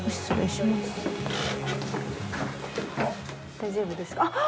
大丈夫ですかあっ！